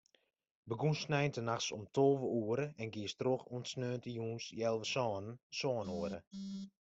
Begûnst sneintenachts om tolve oere en giest troch oant sneontejûns healwei sânen, sân oere.